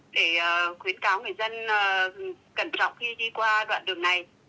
để khuyến cáo người dân cẩn trọng khi đi qua đoạn đường này